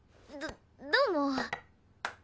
どどうも。